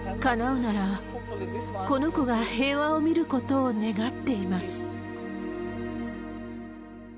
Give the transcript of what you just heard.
かなうなら、この子が平和を見ることを願っています。